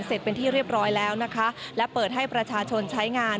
เสร็จเป็นที่เรียบร้อยแล้วนะคะและเปิดให้ประชาชนใช้งาน